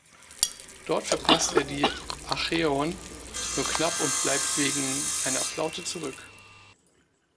Dort verpasst er die "Acheron" nur knapp und bleibt wegen einer Flaute zurück.